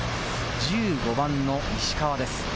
１５番の石川です。